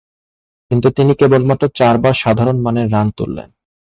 কিন্তু তিনি কেবলমাত্র চারবার সাধারণমানের রান তুলেন।